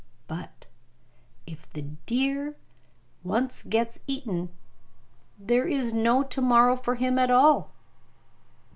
But if the deer once gets eaten, there is no to morrow for, him at all!